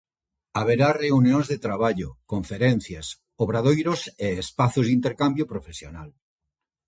Haberá reunións de traballo, conferencias, obradoiros e espazos de intercambio profesional.